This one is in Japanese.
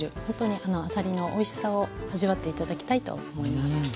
本当にあさりのおいしさを味わって頂きたいと思います。